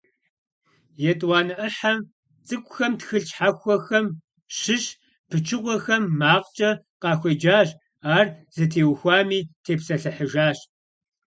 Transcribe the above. Етӏуанэ ӏыхьэм цӏыкӏухэм тхылъ щхьэхуэхэм щыщ пычыгъуэхэм макъкӏэ къахуеджащ, ар зытеухуами тепсэлъыхьыжащ.